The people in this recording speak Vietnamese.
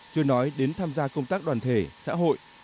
chưa nói đến tham gia công tác đoàn thể xã hội